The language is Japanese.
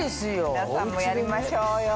皆さんもやりましょうよ。